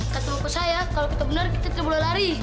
ketemu ke saya kalau kita benar kita tidak boleh lari